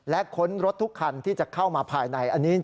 และค้นรถทุกครรภ์ที่จะเข้ามาภายใน